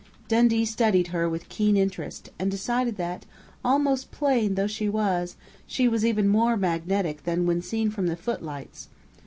Dundee studied her with keen interest, and decided that, almost plain though she was, she was even more magnetic than when seen from the footlights....